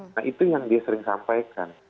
nah itu yang dia sering sampaikan